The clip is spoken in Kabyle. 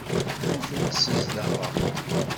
Ur tent-ssezdaɣeɣ.